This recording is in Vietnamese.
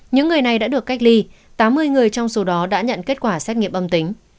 những người này đã được cách ly tám mươi người trong số đó đã nhận kết quả xét nghiệm âm tính